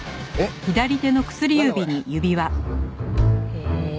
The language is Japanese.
へえ。